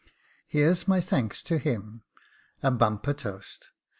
Here's my thanks to him a bumper toast.